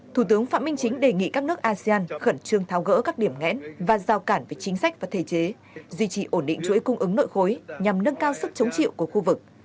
thủ tướng phạm minh chính đề nghị các nước asean khẩn trương tháo gỡ các điểm ngẽn và giao cản về chính sách và thể chế duy trì ổn định chuỗi cung ứng nội khối nhằm nâng cao sức chống chịu của khu vực